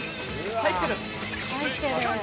入ってる。